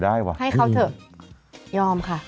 ว่ะให้เขาเถอะยอมค่ะ